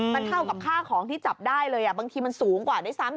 มันเท่ากับค่าของที่จับได้เลยบางทีมันสูงกว่าด้วยซ้ำ